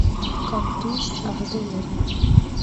کاکتوس اغزي لري